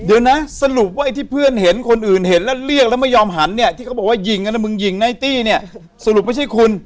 เดี๋ยวนะสรุปว่าไอ้ที่เพื่อนเห็นคนอื่นเห็นแล้วเรียกแล้วไม่ยอมหันเนี่ยที่เขาบอกว่าหญิงนะมึงหญิงไนตี้เนี่ยสรุปไม่ใช่คุณ